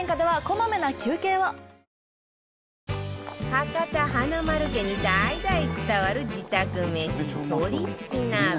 博多華丸家に代々伝わる自宅めし鶏すき鍋